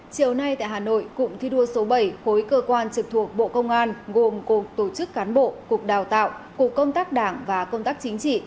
chiều nay tại hà nội cụm thi đua số bảy khối cơ quan trực thuộc bộ công an gồm cục tổ chức cán bộ cục đào tạo cục công tác đảng và công tác chính trị